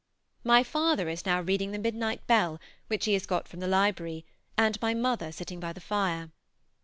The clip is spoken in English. My father is now reading the "Midnight Bell," which he has got from the library, and mother sitting by the fire.